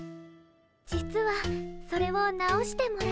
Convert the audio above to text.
実はそれを直してもらいたくて。